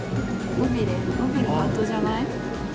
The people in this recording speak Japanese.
尾びれ、ハートじゃない？